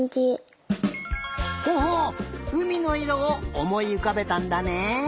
ほほううみのいろをおもいうかべたんだね。